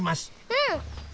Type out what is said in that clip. うん！